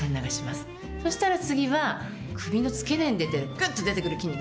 そしたら次は首の付け根に出てるぐっと出てくる筋肉ですね。